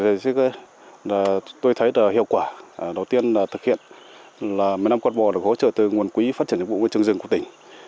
mình thấy hiệu quả đầu tiên là thực hiện là một mươi năm con bò được hỗ trợ từ nguồn quỹ phát triển dịch vụ của trường rừng của tỉnh